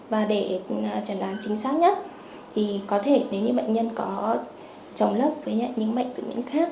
và để chẩn đoán chính xác nhất thì có thể nếu như bệnh nhân có trồng lớp với những bệnh tự nhiên khác